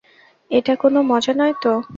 এটা কোনো মজা নয় তো?